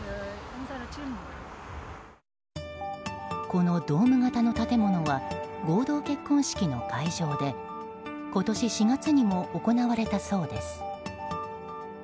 このドーム型の建物は合同結婚式の会場で今年４月にも行われたそうです。